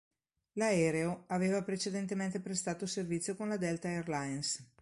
L'aereo aveva precedentemente prestato servizio con la Delta Airlines.